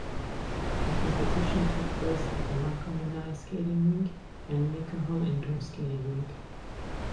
The competition took place at the Makomanai Skating Rink and Mikaho Indoor Skating Rink.